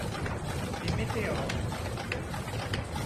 Les Météores.